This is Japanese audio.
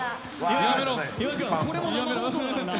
やめろ。